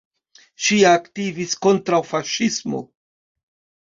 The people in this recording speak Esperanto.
Ŝi aktivis kontraŭ faŝismo.